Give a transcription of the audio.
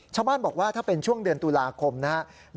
ชาวบ้านบอกว่าถ้าเป็นช่วงเดือนตุลาคมนะครับ